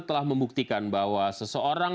telah membuktikan bahwa seseorang